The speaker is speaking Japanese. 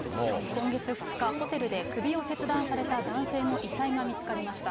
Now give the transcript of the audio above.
今月２日、ホテルで首を切断された男性の遺体が見つかりました。